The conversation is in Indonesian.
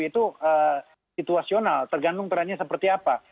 itu situasional tergantung trendnya seperti apa